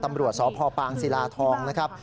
ตำรวจสพปางศิลาทองนะครับ